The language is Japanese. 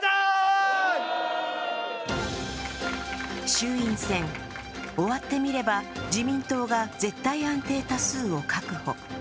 衆院選、終わってみれば自民党が絶対安定多数を確保。